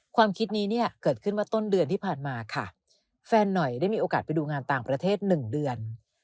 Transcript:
ความคิดนี้เนี่ยเกิดขึ้นมาต้นเดือนที่ผ่านมาค่ะแฟนหน่อยได้มีโอกาสไปดูงานต่างประเทศ๑เดือน